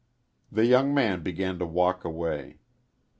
The young man began to walk away.